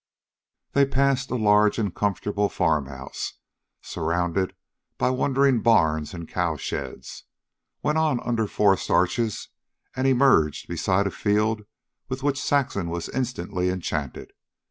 They passed a large and comfortable farmhouse, surrounded by wandering barns and cow sheds, went on under forest arches, and emerged beside a field with which Saxon was instantly enchanted.